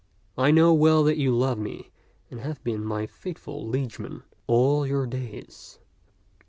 I know well that you love me and have been my faithful liegeman all your days.